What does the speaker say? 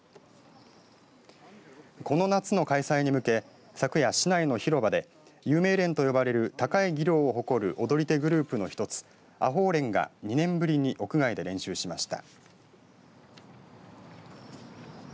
この夏の開催に向け昨夜、市内の広場で有名連と呼ばれる高い技量を誇る踊り手グループの一つ阿呆連が２年ぶりに屋外で練習しました。